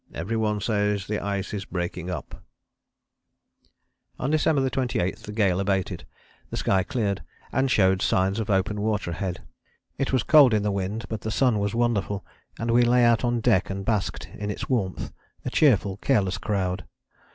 Every one says the ice is breaking up." On December 28 the gale abated. The sky cleared, and showed signs of open water ahead. It was cold in the wind but the sun was wonderful, and we lay out on deck and basked in its warmth, a cheerful, careless crowd.